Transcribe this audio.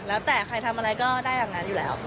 แล้วแต่ใครทำอะไรก็ได้อย่างนั้นอยู่แล้ว